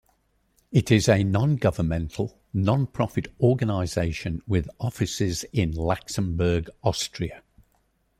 It is a non-governmental, non-profit organization with offices in Laxenburg, Austria.